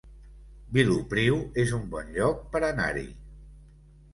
Vilopriu es un bon lloc per anar-hi